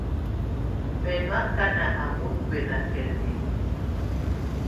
Mɛ nɔ ákaná á mɔtɔ̀ána bɛlɛŋa.